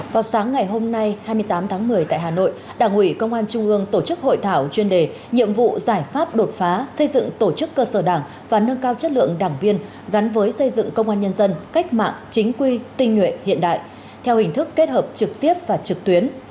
vào sáng ngày hôm nay hai mươi tám tháng một mươi tại hà nội đảng ủy công an trung ương tổ chức hội thảo chuyên đề nhiệm vụ giải pháp đột phá xây dựng tổ chức cơ sở đảng và nâng cao chất lượng đảng viên gắn với xây dựng công an nhân dân cách mạng chính quy tinh nguyện hiện đại theo hình thức kết hợp trực tiếp và trực tuyến